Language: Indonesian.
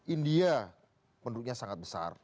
india penduduknya sangat besar